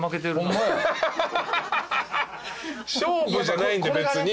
勝負じゃないんで別に。